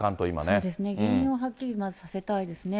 そうですね、原因をはっきりさせたいですね。